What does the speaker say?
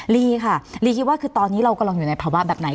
ลีค่ะลีคิดว่าคือตอนนี้เรากำลังอยู่ในภาวะแบบไหน